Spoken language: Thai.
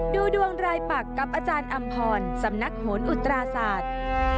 ดูดวงรายปักกับอาจารย์อำพรสำนักโหนอุตราศาสตร์